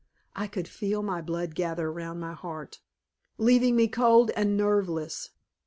I could feel my blood gather around my heart, leaving me cold and nerveless.